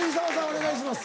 お願いします。